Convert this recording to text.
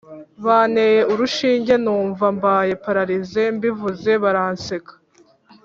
Banteye urushinge numva mbaye pararaze mbivuze baranseka